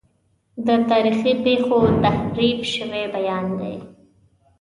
د تاریخي پیښو تحریف شوی بیان دی.